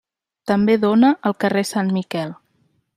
També dóna al carrer Sant Miquel.